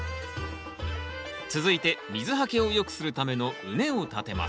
続いて水はけを良くするための畝を立てます。